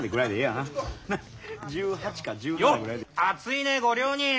よっ熱いねご両人！